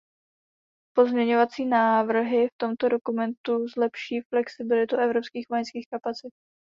Pozměňovací návrhy v tomto dokumentu zlepší flexibilitu evropských vojenských kapacit.